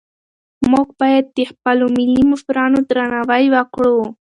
موږ باید د خپلو ملي مشرانو درناوی وکړو.